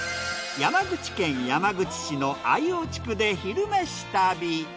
山口県山口市の秋穂地区で「昼めし旅」。